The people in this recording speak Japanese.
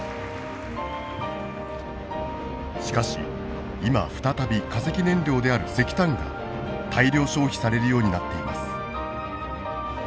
しかし今再び化石燃料である石炭が大量消費されるようになっています。